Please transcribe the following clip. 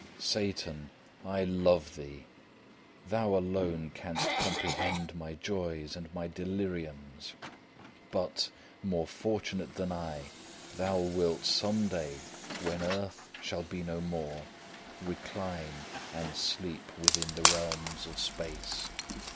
Satan, I love thee! Thou alone canst comprehend my joys and my deliriums. But, more fortunate than I, thou wilt some day, when earth shall be no more, recline and sleep within the realms of space.